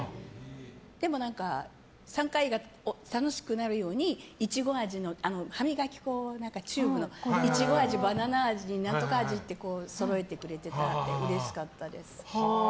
でも、３回が楽しくなるように歯磨き粉、チューブのをイチゴ味、バナナ味、何とか味ってそろえてくれてあってうれしかったです。